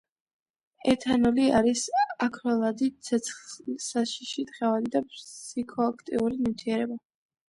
ეთანოლი არის აქროლადი, ცეცხლსაშიში, თხევადი და ფსიქოაქტიური ნივთიერება.